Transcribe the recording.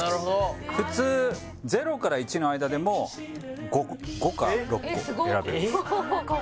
普通０から１の間でも５個５か６個選べます